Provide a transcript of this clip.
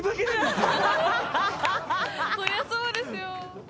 そりゃそうですよ。